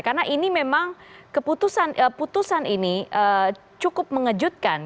karena ini memang putusan ini cukup mengejutkan